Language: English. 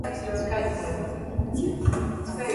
He lives in Beit Raban.